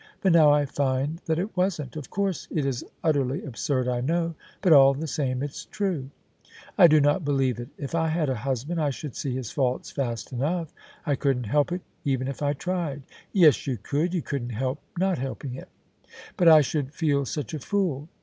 But now I find that it wasn't. Of course it is utterly absurd, I know: but all the same it's true." " I do not believe it. If I had a husband I should see his faults fast enough : I couldn't help it even if I tried." " Yes, you could. You couldn't help not helping it" " But I should feel such a fool."